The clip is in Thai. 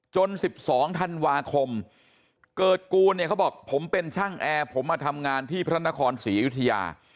๑๒ธันวาคมเกิดกูลเนี่ยเขาบอกผมเป็นช่างแอร์ผมมาทำงานที่พระนครศรีอยุธยา